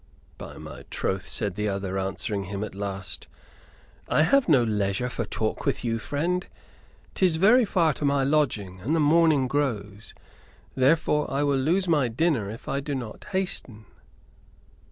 "By my troth," said the other, answering him at last, "I have no leisure for talk with you, friend. 'Tis very far to my lodging and the morning grows. Therefore, I will lose my dinner if I do not hasten."